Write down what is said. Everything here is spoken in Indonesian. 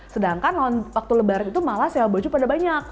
sedangkan waktu lebaran itu malah sewa baju pada banyak